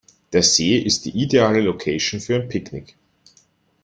Der See ist die ideale Location für ein Picknick.